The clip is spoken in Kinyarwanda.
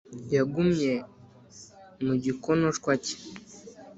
yagumye mu gikonoshwa cye